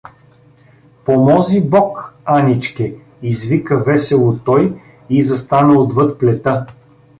Помози бог, Аничке — извика весело той и застана отвъд плета.